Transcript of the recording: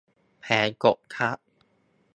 แผลกดทับ